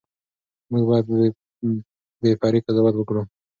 موږ باید بې پرې قضاوت وکړو.